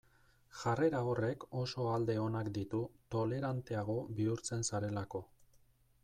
Jarrera horrek oso alde onak ditu toleranteago bihurtzen zarelako.